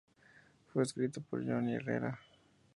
Fue escrito por Johnny Herrera.